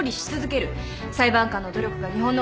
裁判官の努力が日本の。